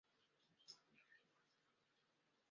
封测厂日月光半导体公司之创办人。